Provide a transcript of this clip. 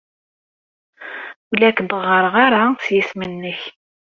Ur la ak-d-ɣɣareɣ ara s yisem-nnek.